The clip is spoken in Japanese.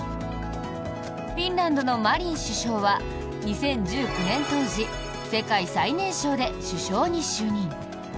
フィンランドのマリン首相は２０１９年当時世界最年少で首相に就任。